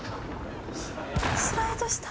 スライドした。